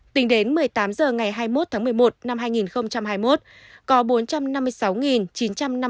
tính đến một mươi tám h ngày hai mươi một tháng một mươi một năm hai nghìn hai mươi một